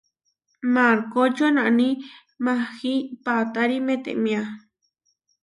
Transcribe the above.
Markó čonaní maahí paatári metémia.